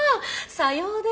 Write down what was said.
さようで！